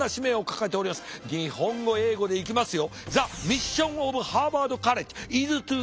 日本語英語でいきますよ。